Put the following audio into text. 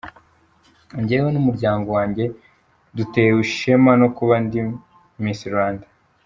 Njyewe n'umuryango wanjye dutewe ishema no kuba ndi Miss Rwanda.